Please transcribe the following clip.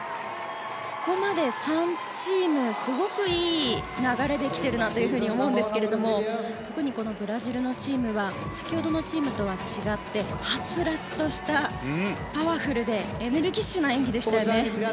ここまで３チームすごくいい流れで来ているなと思うんですけども特にブラジルのチームは先ほどのチームとは違ってはつらつとしたパワフルでエネルギッシュな演技でしたよね。